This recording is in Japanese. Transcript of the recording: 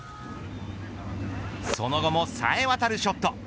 その後もさえ渡るショット。